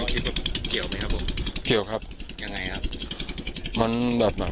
คิดว่าเกี่ยวไหมครับ